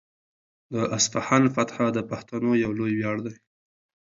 د اصفهان فتحه د پښتنو یو لوی ویاړ دی.